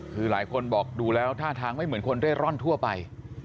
คือหลายคนบอกดูแล้วท่าทางไม่เหมือนคนเร่ร่อนทั่วไป